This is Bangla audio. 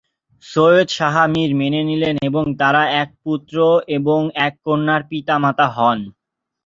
সৈয়দ শাহ মীর মেনে নিলেন এবং তারা এক পুত্র এবং এক কন্যার পিতা-মাতা হন।